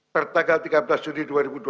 tertagal tiga belas juli dua ribu dua puluh dua